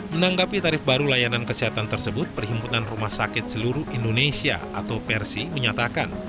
menanggapi tarif baru layanan kesehatan tersebut perhimpunan rumah sakit seluruh indonesia atau persi menyatakan